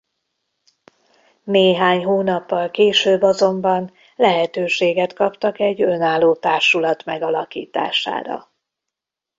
Néhány hónappal később azonban lehetőséget kaptak egy önálló társulat megalakítására.